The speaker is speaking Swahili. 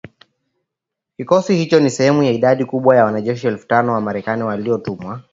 Kikosi hicho ni sehemu ya idadi kubwa ya wanajeshi elfu tano wa Marekani waliotumwa